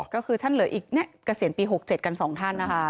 ก็คือท่านเหลืออีกเกษียณปี๖๗กัน๒ท่านนะคะ